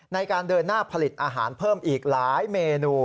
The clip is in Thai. ในการเดินหน้าผลิตอาหารเพิ่มอีกหลายเมนู